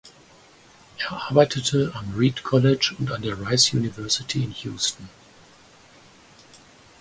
Er arbeitete am Reed College und an der Rice University in Houston.